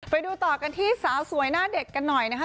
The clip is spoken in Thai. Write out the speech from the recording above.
ไปดูต่อกันที่สาวสวยหน้าเด็กกันหน่อยนะคะ